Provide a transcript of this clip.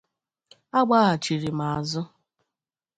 a gbahachịrị m azụ